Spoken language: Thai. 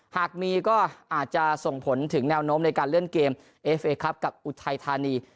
หากมีก็อาจจะส่งผลถึงแนวโน้มในการเลื่อนเกมเอฟเอครับกับอุทัยธานี